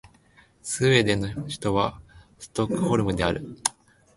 スウェーデンの首都はストックホルムである